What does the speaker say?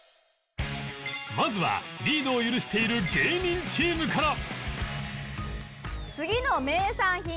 まずはリードを許している芸人チームから